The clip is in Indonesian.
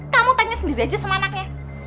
kamu tanya sendiri aja sama anaknya